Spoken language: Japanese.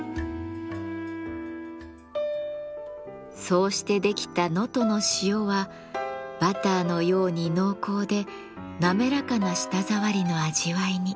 そうして出来た能登の塩はバターのように濃厚でなめらかな舌触りの味わいに。